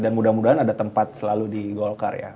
dan mudah mudahan ada tempat selalu di golkar ya